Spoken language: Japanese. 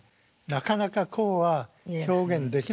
なかなかこうは表現できないですよね。